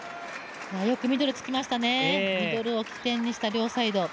よくミドルつきましたね、ミドルを起点とした両サイド。